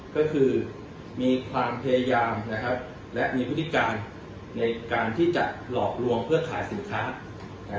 ก็คือมีความพยายามนะครับและมีพฤติการในการที่จะหลอกลวงเพื่อขายสินค้า